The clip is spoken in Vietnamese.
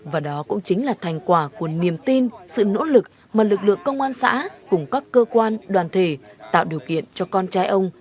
và đó cũng chính là thành quả của niềm tin sự nỗ lực mà lực lượng công an xã cùng các cơ quan đoàn thể tạo điều kiện cho con trai ông